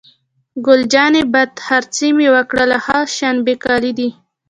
ګل جانې: بد خرڅي مې وکړل، خو ښه شبني کالي دي.